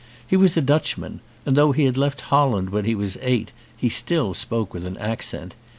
He was a Dutchman and though he had left Holland when he was eight, he still spoke with an accent.